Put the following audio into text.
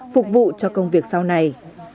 phục vụ cho công việc sau này